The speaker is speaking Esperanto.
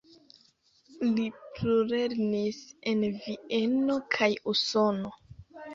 Li plulernis en Vieno kaj Usono.